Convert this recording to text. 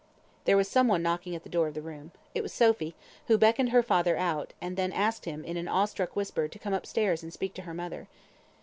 There was some one knocking at the door of the room. It was Sophy, who beckoned her father out, and then asked him, in an awe struck whisper, to come up stairs and speak to her mother.